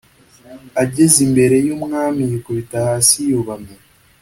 Ageze imbere y’umwami yikubita hasi yubamye